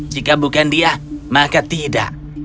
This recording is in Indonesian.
jika bukan dia maka tidak